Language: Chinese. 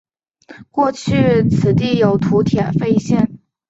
过去此地有国铁废线。